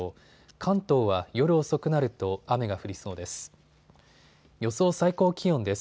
関東は夜遅くなると雨が降りそうです。